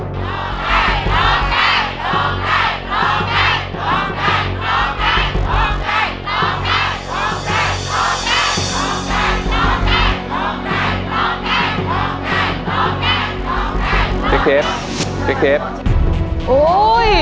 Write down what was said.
โรงแก้โรงแก้โรงแก้โรงแก้